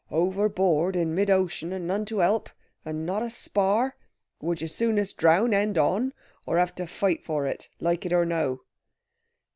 Overboard in mid ocean, and none to help, and not a spar, would you soonest drown, end on, or have to fight for it, like it or no?"